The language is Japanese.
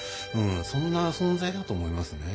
そんな存在だと思いますね。